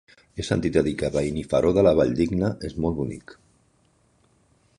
He sentit a dir que Benifairó de la Valldigna és molt bonic.